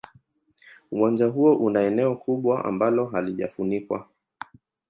Uwanja huo una eneo kubwa ambalo halijafunikwa.